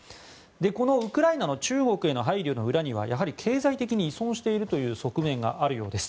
このウクライナの中国への配慮の裏にはやはり経済的に依存しているという側面があるようです。